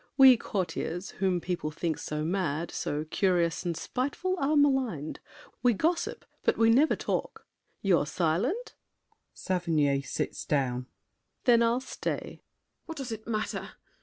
We courtiers, Whom people think so mad, so curious And spiteful, are maligned. We gossip, but We never talk! You're silent? [Sits down.] Then I'll stay! MARION. What does it matter?